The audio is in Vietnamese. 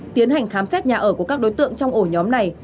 tiến hành khám xét nhà ở của các đối tượng trong ổ nhóm này